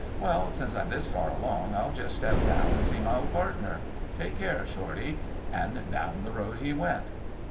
"Well, since I'm this far along I'll just step down and see my old partner. Take care of Shorty...." And down the road he went.